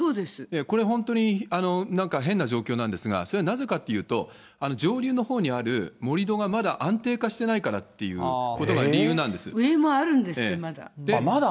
これ、本当になんか変な状況なんですが、それはなぜかというと、上流のほうにある盛り土がまだ安定化してないからっていうことが上にあるんですって、まだ。